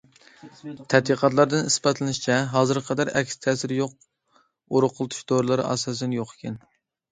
تەتقىقاتلاردىن ئىسپاتلىنىشىچە، ھازىرغا قەدەر ئەكس تەسىرى يوق ئورۇقلىتىش دورىلىرى ئاساسەن يوق ئىكەن.